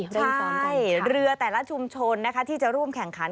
ใช่เรือแต่ละชุมชนนะคะที่จะร่วมแข่งขัน